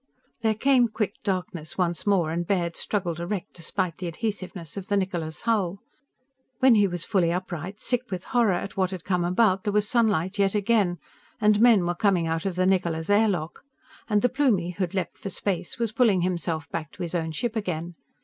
There came quick darkness once more, and Baird struggled erect despite the adhesiveness of the Niccola's hull. When he was fully upright, sick with horror at what had come about, there was sunlight yet again, and men were coming out of the Niccola's air lock, and the Plumie who'd leaped for space was pulling himself back to his own ship again.